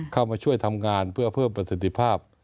เข้ามาช่วยทำงานเพื่อเพิ่มประสิทธิภาพ